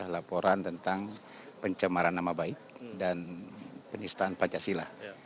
laporan tentang pencemaran nama baik dan penistaan pancasila